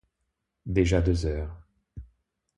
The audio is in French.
Déjà deux heures.